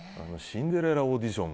シンデレラオーディション